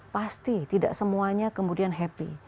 pasti tidak semuanya kemudian happy